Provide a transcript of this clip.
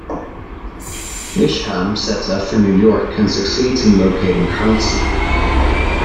Isham sets out for New York and succeeds in locating Carlson.